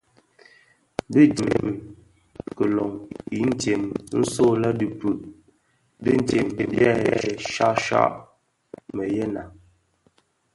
Bi djèm kilōň itsem nso lè dhipud ditsem dyè shyashyak mëyeňa.